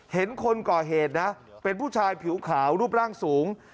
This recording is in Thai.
เห็นคนก่อเหตุนะเป็นผู้ชายผิวขาวรูปร่างสูง